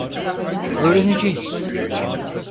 Öğreneceğiz.